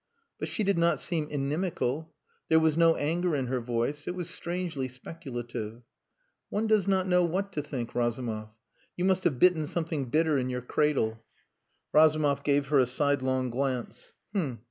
But she did not seem inimical. There was no anger in her voice. It was strangely speculative. "One does not know what to think, Razumov. You must have bitten something bitter in your cradle." Razumov gave her a sidelong glance.